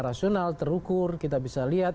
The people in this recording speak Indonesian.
rasional terukur kita bisa lihat